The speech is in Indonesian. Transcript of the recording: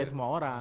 iya semua orang